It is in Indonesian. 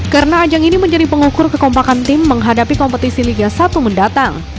karena ajang ini menjadi pengukur kekompakan tim menghadapi kompetisi liga satu mendatang